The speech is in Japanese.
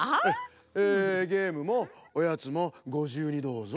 えゲームもおやつもごじゆうにどうぞ。